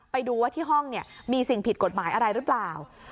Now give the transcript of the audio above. ไปดูว่าที่ห้องเนี่ยมีสิ่งผิดกฎหมายอะไรหรือเปล่า